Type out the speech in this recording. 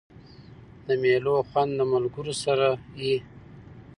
د مېلو خوند د ملګرو سره يي.